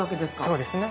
そうですね。